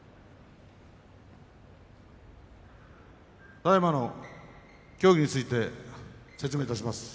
ただいまの協議について説明します。